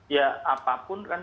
ya apapun kan